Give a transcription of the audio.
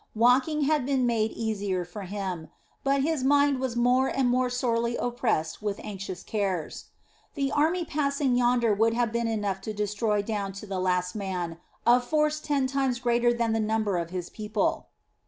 Walking had been made easier for him, but his mind was more and more sorely oppressed with anxious cares. The army passing yonder would have been enough to destroy down to the last man a force ten times greater than the number of his people.